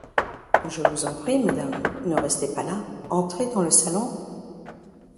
Je vous en prie, madame, ne restez pas là, entrez dans le salon.